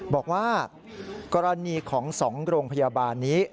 บอกว่ากรณีของ๒โรงพยาบาลนี้